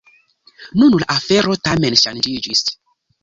Nun la afero tamen ŝanĝiĝis.